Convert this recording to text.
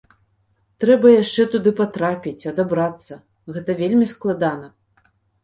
Трэба яшчэ туды патрапіць, адабрацца, гэта вельмі складана.